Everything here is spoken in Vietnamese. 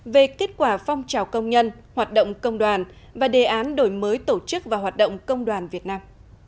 về kết quả phong trào công nhân hoạt động công đoàn và đề án đổi mới tổ chức và hoạt động công đoàn việt nam